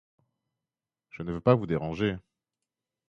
Je ne veux pas vous déranger.